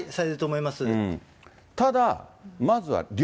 ただ、まずは量。